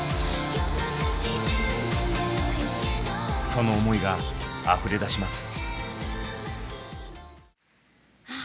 その思いがあふれ出します。